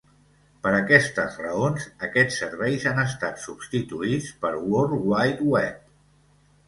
Per aquestes raons, aquests serveis han estat substituïts pel World Wide Web.